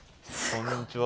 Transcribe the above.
こんにちは。